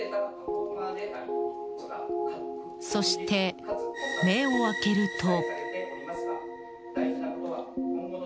そして、目を開けると。